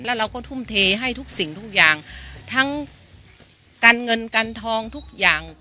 แล้วเราก็ทุ่มเทให้ทุกสิ่งทุกอย่างทั้งการเงินการทองทุกอย่าง